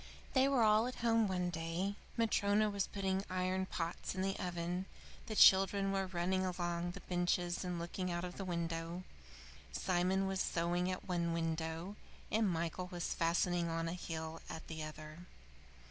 They were all at home one day. Matryona was putting iron pots in the oven; the children were running along the benches and looking out of the window; Simon was sewing at one window, and Michael was fastening on a heel at the other.